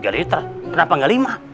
tiga liter kenapa nggak lima